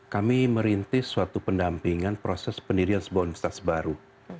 kami merintis suatu pendampingan proses pendirian sebuah universitas baru